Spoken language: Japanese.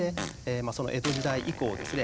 江戸時代以降ですね